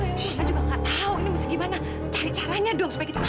aku juga tidak tahu ini berarti bagaimana cari caranya dong supaya kita aman